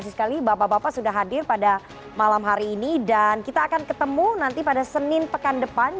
terima kasih sekali bapak bapak sudah hadir pada malam hari ini dan kita akan ketemu nanti pada senin pekan depan